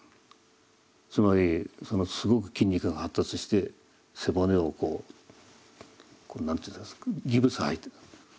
つまりすごく筋肉が発達して背骨をこう何て言うんですかギプス入ってた。